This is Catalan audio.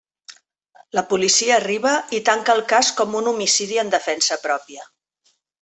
La policia arriba i tanca el cas com un homicidi en defensa pròpia.